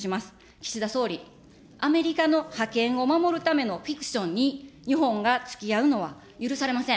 岸田総理、アメリカの覇権を守るためのフィクションに、日本がつきあうのは許されません。